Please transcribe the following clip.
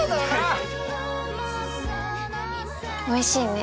おいしいね。